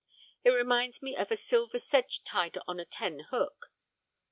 It reminds me of a 'silver sedge' tied on a ten hook.